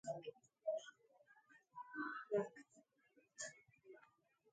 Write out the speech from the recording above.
Gibbs was also the founder of The Union League Club in New York City.